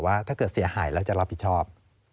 ถ้าเกิดเสียหายแล้วจะรับผิดชอบ